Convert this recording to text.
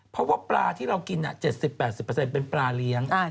เพราะว่าปลาที่เรากิน๗๐๘๐เป็นปลาเลี้ยง